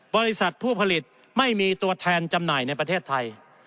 บริษัทผู้ผลิตไม่มีตัวแทนจำหน่ายในประเทศไทย